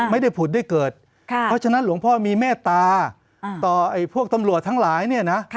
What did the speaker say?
ไม่ได้ผุดได้เกิดเพราะฉะนั้นหลวงพ่อมีเมตตาต่อพวกตำรวจทั้งหลายเนี่ยนะ